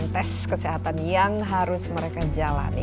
tes kesehatan yang harus mereka jalani